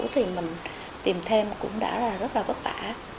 thì mình tìm thêm cũng đã là rất là vất vả